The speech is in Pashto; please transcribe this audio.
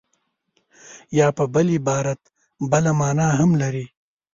یا په بل عبارت بله مانا هم لري